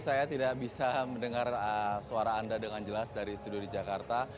saya tidak bisa mendengar suara anda dengan jelas dari studio di jakarta